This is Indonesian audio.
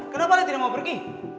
kenapa dia tidak mau pergi